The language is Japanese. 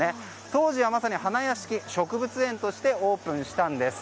当時は、まさに花やしき植物園としてオープンしたんです。